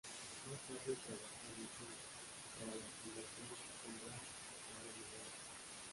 Más tarde trabajó en Stuttgart para la Fundación Konrad Adenauer.